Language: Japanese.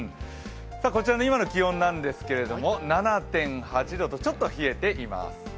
こちらの今の気温ですけど７．８度とちょっと冷えています。